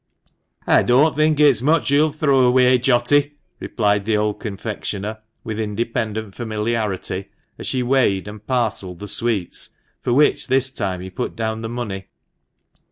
"I don't think it's much you'll throw away, Jotty," replied the old confectioner, with independent familiarity, as she weighed and parcelled the sweets, for which this time he put down the money.